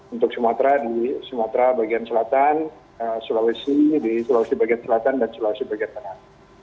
untuk sumatera di sumatera bagian selatan sulawesi di sulawesi bagian selatan dan sulawesi bagian tengah